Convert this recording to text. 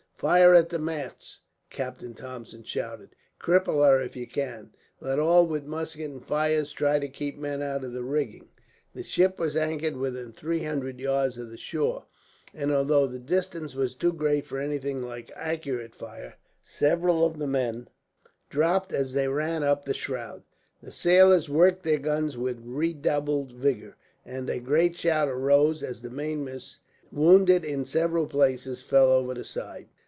"Fire at the masts," Captain Thompson shouted. "Cripple her if you can. Let all with muskets and rifles try to keep men out of the rigging." The ship was anchored within three hundred yards of the shore, and although the distance was too great for anything like accurate fire, several of the men dropped as they ran up the shroud. The sailors worked their guns with redoubled vigour, and a great shout arose as the mainmast, wounded in several places, fell over the side.